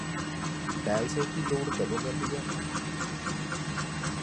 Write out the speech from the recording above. dialysis ਦੀ ਲੋੜ ਕਦੋਂ ਪੈਂਦੀ ਹੈ